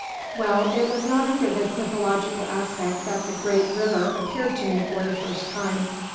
Well, it was not under this mythological aspect that the great river appeared to me for the first time.